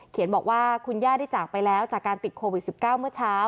บอกว่าคุณย่าได้จากไปแล้วจากการติดโควิด๑๙เมื่อเช้า